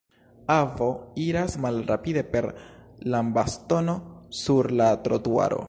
Avo iras malrapide per lambastono sur la trotuaro.